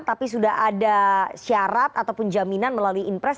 tapi sudah ada syarat ataupun jaminan melalui impres